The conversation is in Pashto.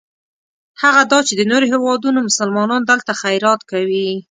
هغه دا چې د نورو هېوادونو مسلمانان دلته خیرات کوي.